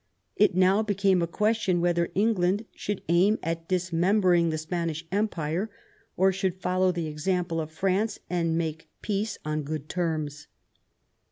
It r now became a question whether England should aim at dismembering the Spanish Empire or should follow the example of France and make peace on good terms.